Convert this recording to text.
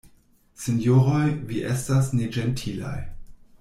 Sinjoroj, vi estas neĝentilaj.